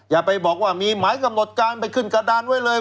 อย่าไปบอกว่ามีหมายกำหนดการไปขึ้นกระดานไว้เลย